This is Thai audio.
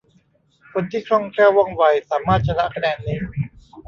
คนที่คล่องแคล่วว่องไวสามารถ ชนะคะแนนนี้